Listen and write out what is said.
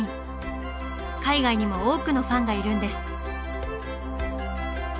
海外にも多くのファンがいるんです。